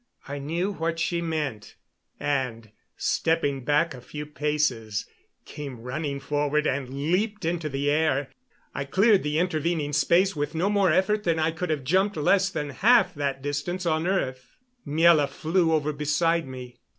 I knew what she meant, and, stepping back a few paces, came running forward and leaped into the air. I cleared the intervening space with no more effort than I could have jumped less than half that distance on earth. Miela flew over beside me.